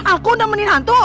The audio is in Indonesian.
aku nemenin hantu